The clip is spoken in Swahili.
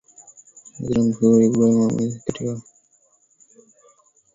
aziri mkuu wa israel benjamin netanyahu wamesema watahakikisha kuwa